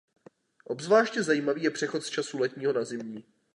Obzvláště zajímavý je přechod z času letního na zimní.